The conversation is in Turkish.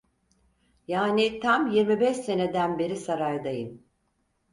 Yani tam yirmi beş seneden beri saraydayım.